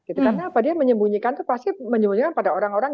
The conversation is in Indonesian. karena apa dia menyembunyikan itu pasif menyembunyikan pada orang orang